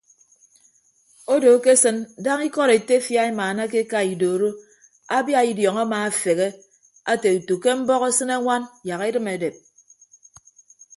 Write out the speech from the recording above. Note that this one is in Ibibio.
Odo akesịn daña ikọd etefia emaanake eka idoro abia idiọñ amaafeghe ate utu ke mbọk asịne añwan yak edịm edep.